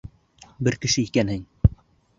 Бер кеше икәнһең.